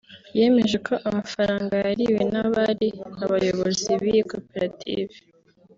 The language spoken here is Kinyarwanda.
yemeje ko amafaranga yariwe n’abari abayobozi b’iyi Koperative